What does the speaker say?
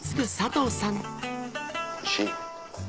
おいしい？